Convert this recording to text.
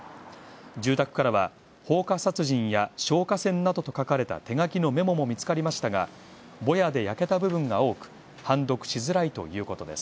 住宅からは放火殺人や消火栓などと書かれた手書きのメモも見つかりましたがボヤで焼けた部分が多く判読しづらいということです。